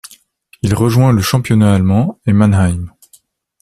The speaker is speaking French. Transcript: Il rejoint le championnat allemand et Mannheim.